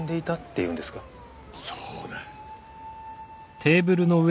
そうだ。